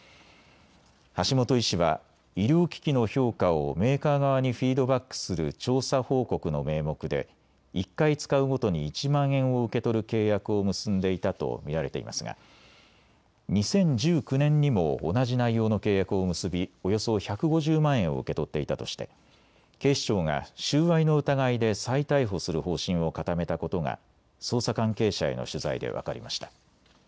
橋本医師は医療機器の評価をメーカー側にフィードバックする調査報告の名目で１回使うごとに１万円を受け取る契約を結んでいたと見られていますが２０１９年にも同じ内容の契約を結びおよそ１５０万円を受け取っていたとして警視庁が収賄の疑いで再逮捕する方針を固めたことが捜査関係者への取材で分かりました。